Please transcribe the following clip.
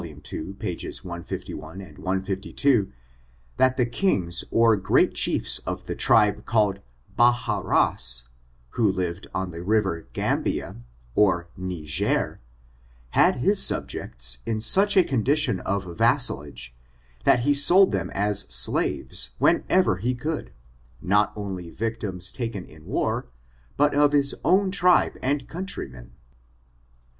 ii, pages 151 and 152, that the kings or great chiefs of the tribe called Ba ha ras, who lived on the river Gambia, or Niger, had his subjects in such a condition of vassalage, that he sold them as slaves, whenever he would, not only victims taken in war, but of his own tribe and countrymen.